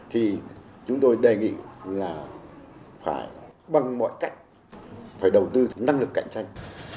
thì chúng tôi đề nghị là phải bằng mọi cách phải đầu tư năng lực cạnh tranh